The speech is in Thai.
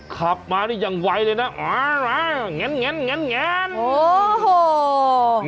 ขับมานี่ยังไวเลยนะงั้นงั้นงั้นงั้นโอ้โห